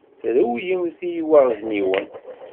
Trewlemt i yiweɣezniwen.